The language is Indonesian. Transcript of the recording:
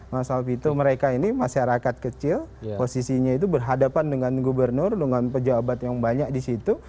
mas alvito mereka ini masyarakat kecil posisinya itu berhadapan dengan gubernur dengan pejabat yang banyak di situ